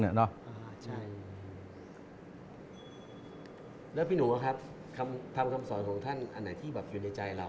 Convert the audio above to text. แล้วพี่หนูครับคำสอนของท่านอันไหนที่แบบอยู่ในใจเรา